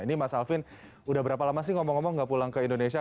ini mas alvin udah berapa lama sih ngomong ngomong nggak pulang ke indonesia